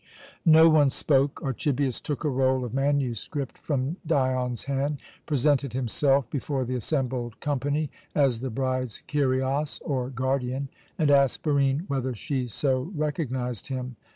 No one spoke. Archibius took a roll of manuscript from Dion's hand, presented himself before the assembled company as the bride's kyrios, or guardian, and asked Barine whether she so recognized him.